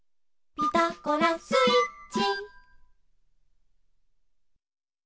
「ピタゴラスイッチ」